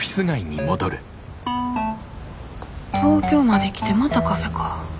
東京まで来てまたカフェか。